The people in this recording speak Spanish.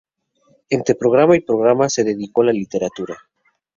Entre programa y programa se dedicó a la literatura.